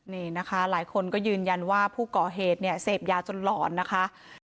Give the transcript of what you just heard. นี่นะคะหลายคนก็ยืนยันว่าผู้ก่อเหตุเนี่ยเสพยาจนหลอนนะคะ